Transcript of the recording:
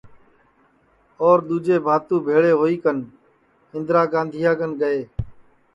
اور دؔوجے بھاتو بھیݪے ہوئی کن اِندرا گاندھیا کن گئے